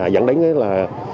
dẫn đến là